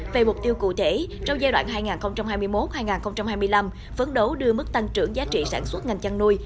về mục tiêu cụ thể trong giai đoạn hai nghìn hai mươi một hai nghìn hai mươi năm phấn đấu đưa mức tăng trưởng giá trị sản xuất ngành chăn nuôi